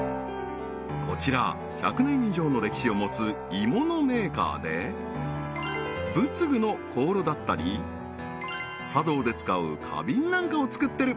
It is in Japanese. こちら１００年以上の歴史を持つ鋳物メーカーで仏具の香炉だったり茶道で使う花瓶なんかをつくってる！